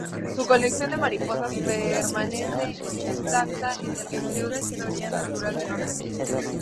Su colección de mariposas permanece intacta en el Museo de Historia Natural de Londres.